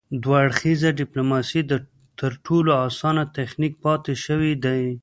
دوه اړخیزه ډیپلوماسي تر ټولو اسانه تخنیک پاتې شوی دی